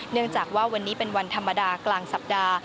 เนื่องจากว่าวันนี้เป็นวันธรรมดากลางสัปดาห์